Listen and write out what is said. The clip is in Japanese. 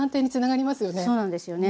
そうなんですよね。